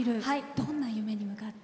どんな夢に向かって？